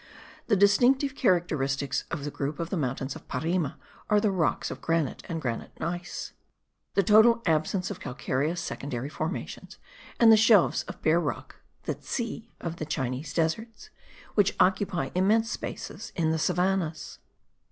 The distinctive characteristics of the group of the mountains of Parime are the rocks of granite and gneiss granite, the total absence of calcareous secondary formations, and the shelves of bare rock (the tsy of the Chinese deserts), which occupy immense spaces in the savannahs.